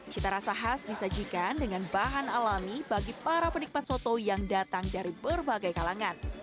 cita rasa khas disajikan dengan bahan alami bagi para penikmat soto yang datang dari berbagai kalangan